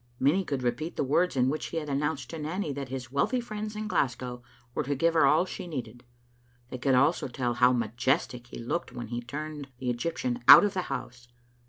Many could repeat the words in which he had announced to Nanny that his wealthy friends in Glasgow were to give her all she needed. They could also tell how majestic he looked when he turned the Egyptian out of the house.